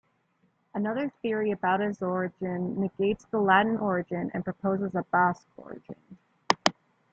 Another theory about is origin negates the Latin origin and proposes a Basque origin.